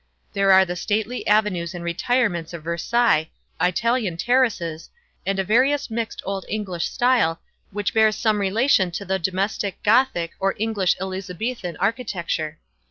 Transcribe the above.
There are the stately avenues and retirements of Versailles; Italian terraces; and a various mixed old English style, which bears some relation to the domestic Gothic or English Elizabethan architecture.